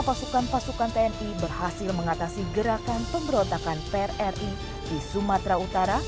buai dibesarkan muda